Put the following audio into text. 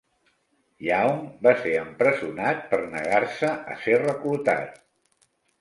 Young va ser empresonat per negar-se a ser reclutat.